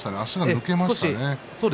抜けましたね。